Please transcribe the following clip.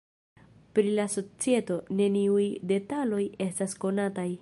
Pri la societo, neniuj detaloj estas konataj.